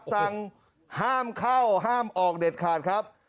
สั่งห้ามเข้าห้ามออกเด็ดขาดครับ